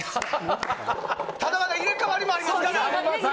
ただ入れ替わりもありますから。